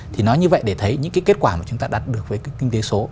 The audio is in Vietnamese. thì nói như vậy để thấy những cái kết quả mà chúng ta đạt được với kinh tế số